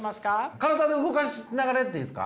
体で動かしながらやっていいですか？